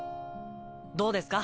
どうですか？